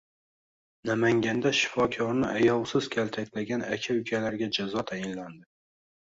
Namanganda shifokorni ayovsiz kaltaklagan aka-ukalarga jazo tayinlandi